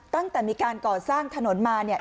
ตั้งแต่มีการก่อสร้างถนนมาเนี่ย